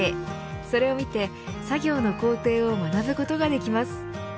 それを見て作業の工程を学ぶことができます。